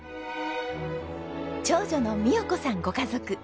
長女の美代子さんご家族。